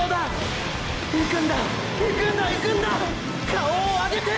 顔を上げて！！